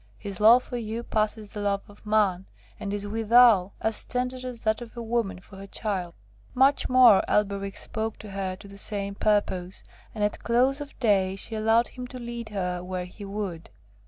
'His love for you passes the love of man, and is withal as tender as that of a woman for her child.' Much more Elberich spake to her to the same purpose, and at close of day she allowed him to lead her where he would.